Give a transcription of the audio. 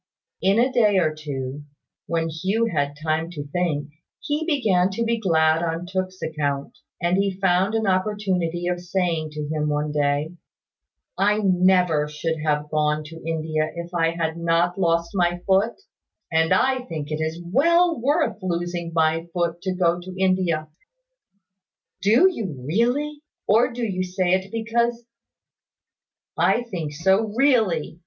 In a day or two, when Hugh had had time to think, he began to be glad on Tooke's account; and he found an opportunity of saying to him one day, "I never should have gone to India if I had not lost my foot; and I think it is well worth while losing my foot to go to India." "Do you really? Or do you say it because " "I think so really."